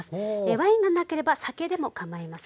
ワインがなければ酒でもかまいません。